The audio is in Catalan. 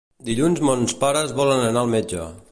Dilluns mons pares volen anar al metge.